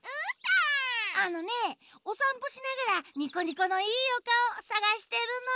あのねおさんぽしながらニコニコのいいおかおさがしてるの。